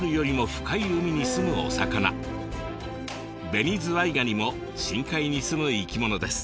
ベニズワイガニも深海にすむ生きものです。